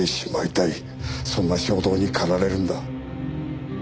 そんな衝動に駆られるんだ。